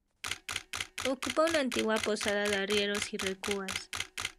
Ocupa una antigua posada de arrieros y recuas.